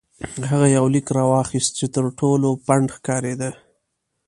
هغه یو لیک راواخیست چې تر ټولو پڼد ښکارېده.